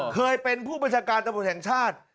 เคยเป็นผู้บัญชาการตำรวจแห่งชาติ